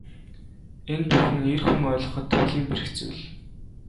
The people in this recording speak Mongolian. Энэ бүхэн эр хүн ойлгоход туйлын бэрх зүйл.